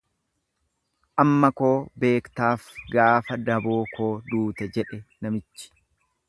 Amma koo beektaaf gaafa daboo koo duute jedhe namichi.